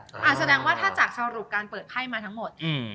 เสร็จแสดงถ้าจากเข้าหลุมการเปิดไพ่มาจนทั้งหมด